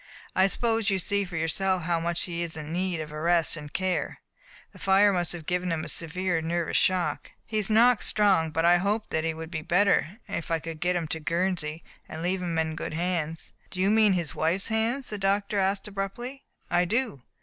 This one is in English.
I suppose you see for yourself how much he is in need of rest and care. The fire must have given him a severe nervous shock." He is not strong, byt I hoped that he wouW Digitized by Google ADELINE SERGEANT, 265 be better if I could get him to Guernsey and leave him in good hands." *'Do you mean his wife's hands?" the doctor asked abruptly. "I do.